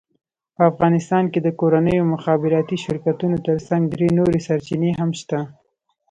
په افغانستان کې د کورنیو مخابراتي شرکتونو ترڅنګ درې نورې سرچینې هم شته،